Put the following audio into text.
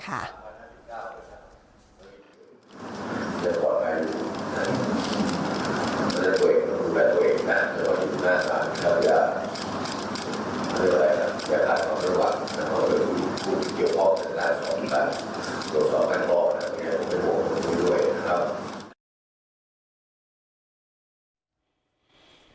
เกี่ยวของเกี่ยวของการบอกนะครับทุกคนด้วยนะครับ